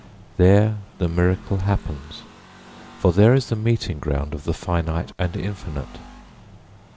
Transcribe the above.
There the miracle happens, for there is the meeting ground of the finite and infinite.